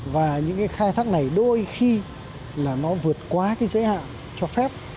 và những khai thác này đôi khi vượt qua giới hạn cho phép